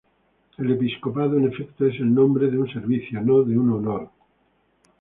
El episcopado, en efecto, es el nombre de un servicio, no de un honor.